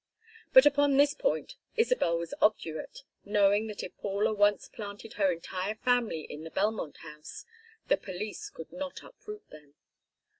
But upon this point Isabel was obdurate, knowing that if Paula once planted her entire family in the Belmont House the police could not uproot them.